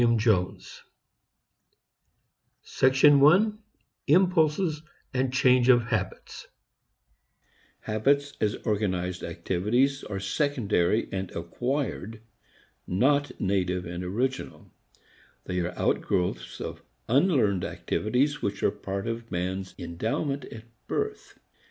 PART TWO THE PLACE OF IMPULSE IN CONDUCT I Habits as organized activities are secondary and acquired, not native and original. They are outgrowths of unlearned activities which are part of man's endowment at birth.